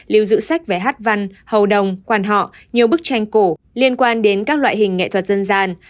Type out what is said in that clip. lưu giữ sách về hát văn hầu đồng quan họ nhiều bức tranh cổ liên quan đến các loại hình nghệ thuật dân gian